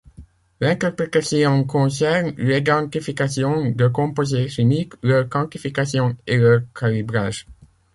L'interprétation concerne l'identification de composés chimiques, leur quantification et leur calibrage.